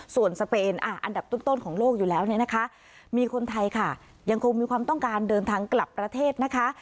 ส่วนสเปนอันดับต้นของโลกอยู่แล้วเนี่ยนะคะมีคนไทยค่ะยังคงมีความต้องการเดินทางกลับประเทศนะคะ